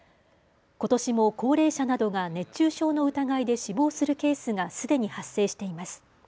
ことしも高齢者などが熱中症の疑いで死亡するケースがすでに発生しています。